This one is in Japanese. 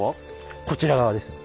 こちら側ですね。